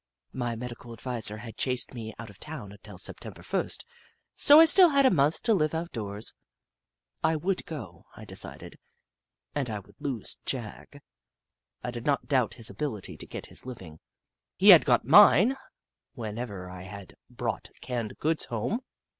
My medical adviser had chased me out of town until September first, so I still had a month to live outdoors. I would go, I decided — and I would lose Jagg. I did not doubt his ability to get his living — he had got mine, whenever 1 had brought canned goods home.